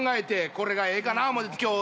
これがええかな思って今日。